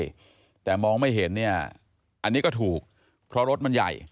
ใช่แต่มองไม่เห็นเนี่ยอันนี้ก็ถูกเพราะรถมันใหญ่